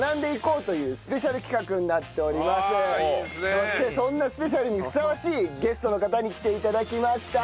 そしてそんなスペシャルにふさわしいゲストの方に来て頂きました。